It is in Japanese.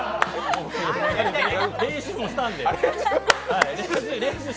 練習もしたんで。